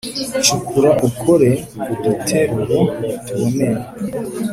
Curukura ukore uduteruro tuboneye